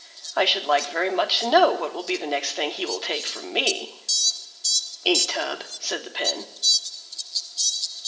I should like very much to know what will be the next thing he will take from me." "Ink tub!" said the Pen.